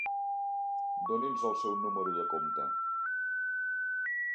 Doni'ns el seu número de compte.